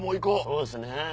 そうですね。